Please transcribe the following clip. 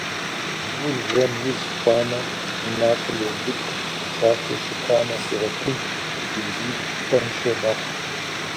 Бзур жьэн уз хъуамэ, и макъыр еубыд, псалъэу щытамэ, щегъэтыж, и бзийр фэншэ мэхъу.